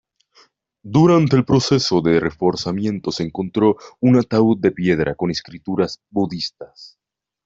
Durante el proceso de reforzamiento, se encontró un ataúd de piedra con escrituras budistas.